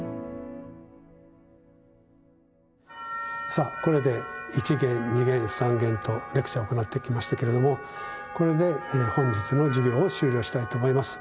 さあこれで一限二限三限とレクチャーを行ってきましたけれどもこれで本日の授業を終了したいと思います。